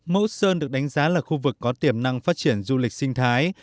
mẫu sơn được đánh giá là khu vực có tiềm năng phát triển du lịch sinh thái